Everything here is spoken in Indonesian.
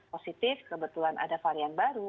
positif kebetulan ada varian baru